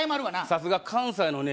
さすが関西のね